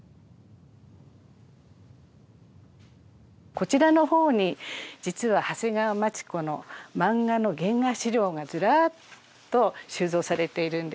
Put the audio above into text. こちらの方に実は長谷川町子の漫画の原画資料がずらっと収蔵されているんです。